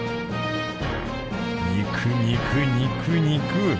肉肉肉肉。